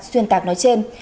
xuyên tạc nói trên